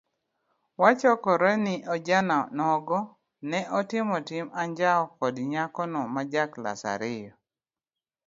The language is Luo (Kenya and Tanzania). Wachore ni ojana nogo ne otimo tim anjawo kod nyakono ma ja klas ariyo.